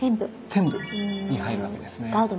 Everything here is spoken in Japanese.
天部に入るわけですね。